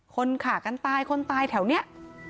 คนขากันตายคนตายแถวนี้